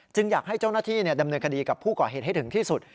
อยากให้เจ้าหน้าที่ดำเนินคดีกับผู้ก่อเหตุให้ถึงที่สุด